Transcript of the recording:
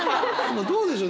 どうでしょう？